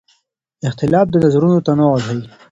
اختلاف د نظرونو تنوع ښيي.